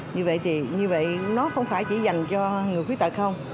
như vậy thì nó không phải chỉ dành cho người khuyết tật không